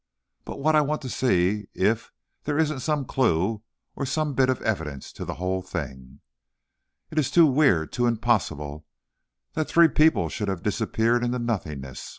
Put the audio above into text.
But I want to see if there isn't some clew or some bit of evidence to the whole thing. It is too weird! too impossible that three people should have disappeared into nothingness!